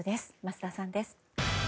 桝田さんです。